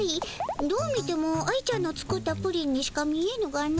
どう見ても愛ちゃんの作ったプリンにしか見えぬがの。